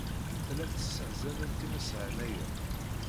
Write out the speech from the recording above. Tellamt tesseḥzanemt imeshanayen.